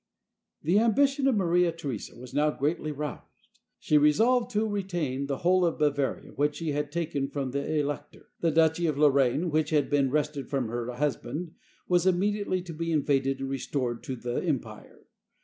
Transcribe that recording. The ambition of Maria Theresa was now greatly roused. She resolved to retain the whole of Bavaria which she had taken from the elector. The duchy of Lorraine, which had been wrested from her husband, was immediately to be invaded and restored to the Empire.